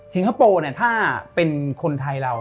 คโปร์เนี่ยถ้าเป็นคนไทยเรา